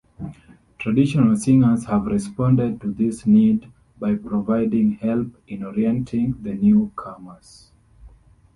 Traditional singers have responded to this need by providing help in orienting the newcomers.